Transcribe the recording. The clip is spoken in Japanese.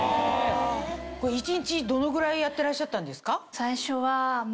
一日どのぐらいやってらっしゃったんですか？